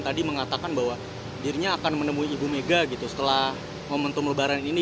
tadi mengatakan bahwa dirinya akan menemui ibu mega gitu setelah momentum lebaran ini